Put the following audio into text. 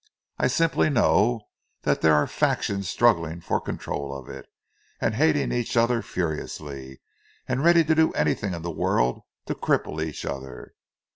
I simply know that there are factions struggling for the control of it, and hating each other furiously, and ready to do anything in the world to cripple each other.